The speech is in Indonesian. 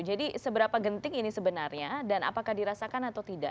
jadi seberapa genting ini sebenarnya dan apakah dirasakan atau tidak